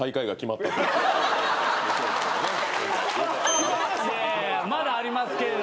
まだありますけれども。